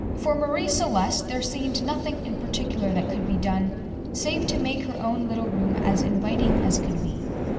For Marie Celeste there seemed nothing in particular that could be done, save to make her own little room as inviting as could be.